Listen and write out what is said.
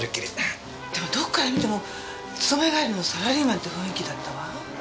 でもどっから見ても勤め帰りのサラリーマンって雰囲気だったわ。